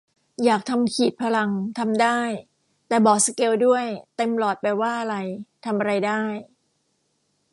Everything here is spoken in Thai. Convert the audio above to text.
อยากทำขีดพลัง ทำได้ แต่บอกสเกลด้วย เต็มหลอดแปลว่าอะไร ทำอะไรได้